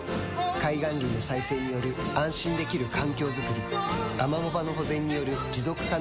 海岸林の再生による安心できる環境づくりアマモ場の保全による持続可能な海づくり